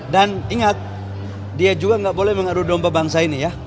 dan ingat dia juga nggak boleh mengadu dompa bangsa ini ya